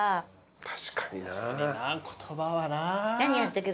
確かにな言葉はな。